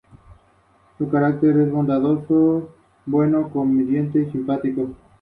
Si se mantienen en un pequeño grupo suelen ser menos agresivas.